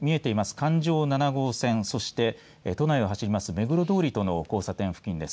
環状７号線そして都内を走ります目黒通りとの交差点付近です。